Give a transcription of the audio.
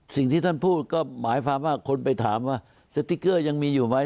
สิ่งที่ท่านพูดก็หมายความว่าคนไปถามว่าสติ๊กเกอร์ยังมีอยู่ไหม